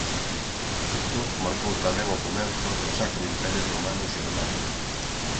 Isto marcou tamén o comezo do Sacro Imperio Romano Xermánico.